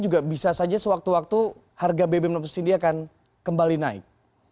juga bisa saja sewaktu waktu harga bbm non subsidi akan kembali naik